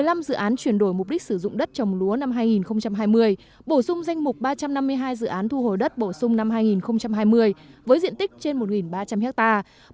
trong một mươi năm dự án chuyển đổi mục đích sử dụng đất trồng lúa năm hai nghìn hai mươi bổ sung danh mục ba trăm năm mươi hai dự án thu hồi đất bổ sung năm hai nghìn hai mươi với diện tích trên một ba trăm linh hectare